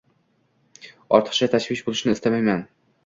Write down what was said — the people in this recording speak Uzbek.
Ortiqcha tashvish boʻlishni istamayman